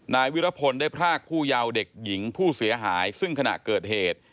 นายวิรพลได้พรากผู้ยาวเด็กหญิงผู้เสียหายซึ่งขณะเกิดเหตุ